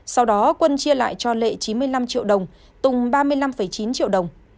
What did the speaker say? sau đó quân chia lại cho lệ chín mươi năm triệu đồng tùng ba mươi năm chín triệu đồng